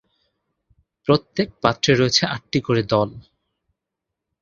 প্রত্যেক পাত্রে রয়েছে আটটি করে দল।